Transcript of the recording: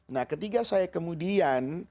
nah ketiga saya kemudian